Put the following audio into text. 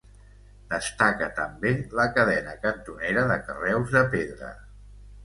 Destaca també la cadena cantonera de carreus de pedra.